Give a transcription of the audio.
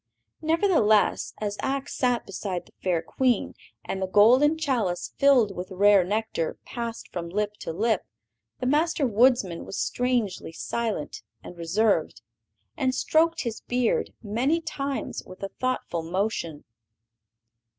Nevertheless, as Ak sat beside the fair Queen, and the golden chalice, filled with rare nectar, passed from lip to lip, the Master Woodsman was strangely silent and reserved, and stroked his beard many times with a thoughtful motion.